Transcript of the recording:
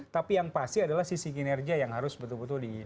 tapi yang pasti adalah sisi kinerja yang harus betul betul di